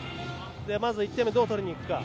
まず１点目、どう取りにいくか。